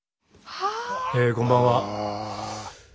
こんばんは。